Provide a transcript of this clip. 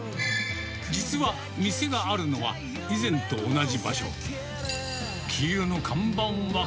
実は、店があるのは以前と同じ場所。